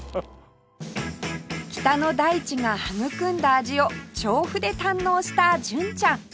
北の大地が育んだ味を調布で堪能した純ちゃん